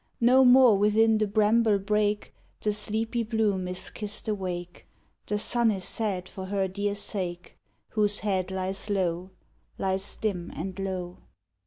No more within the bramble brake The sleepy bloom is kissed awake The sun is sad for her dear sake, Whose head lies low, Lies dim and low.